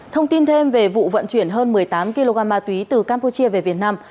thông tin thêm về vụ vận chuyển hơn một mươi tám kg ma túy từ campuchia về việt nam